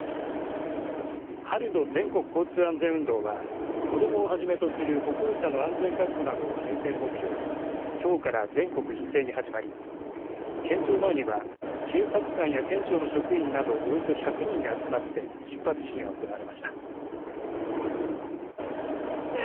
春の全国交通安全運動は子どもをはじめとする歩行者の安全確保などを重点目標にきょうから全国一斉に始まり県庁前には警察官や県庁の職員などおよそ１００人が集まって出発式が行われました。